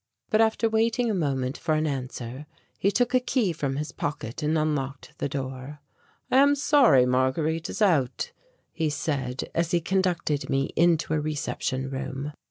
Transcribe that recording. But after waiting a moment for an answer he took a key from his pocket and unlocked the door. "I am sorry Marguerite is out," he said, as he conducted me into a reception room.